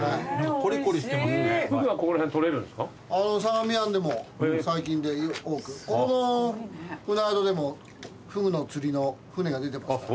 ここの船宿でもフグの釣りの船が出てますから。